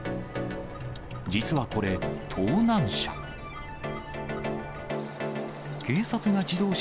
実はこれ、盗難車。